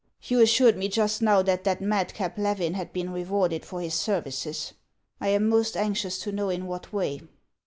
You assured me just now that that madcap Levin had been rewarded for his services. I am most anxious to know in what way."